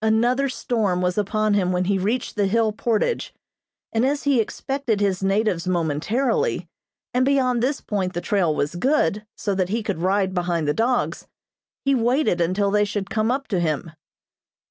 Another storm was upon him when he reached the hill portage, and as he expected his natives momentarily, and beyond this point the trail was good, so that he could ride behind the dogs, he waited until they should come up to him.